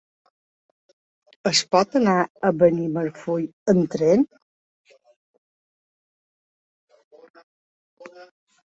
Es pot anar a Benimarfull amb tren?